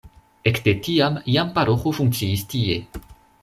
Ekde tiam jam paroĥo funkciis tie.